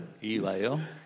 いいわよ。